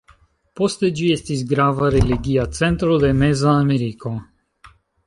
Poste ĝi estis grava religia centro de Meza Ameriko.